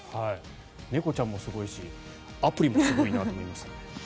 猫ちゃんもすごいしアプリもすごいなと思いました。